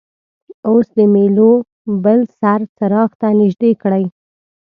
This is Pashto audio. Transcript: اوس د میلو بل سر څراغ ته نژدې کړئ.